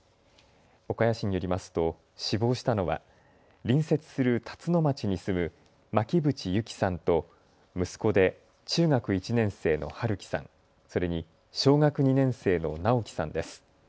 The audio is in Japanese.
岡谷市によりますと死亡したのは隣接する辰野町に住む巻渕友希さんと息子で中学１年生の春樹さん、それに小学２年生の尚煌さんです。